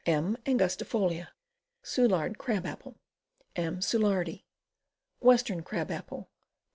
M. angustijolia. Soulard Crab Apple. M. Soulardi. Western Crab Apple.